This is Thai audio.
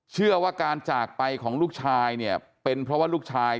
เชื่อว่าการจากไปของลูกชายเนี่ยเป็นเพราะว่าลูกชาย